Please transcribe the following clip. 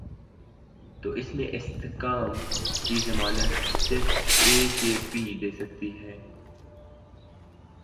تو اس استحکام کی ضمانت صرف اے کے پی دے سکتی ہے۔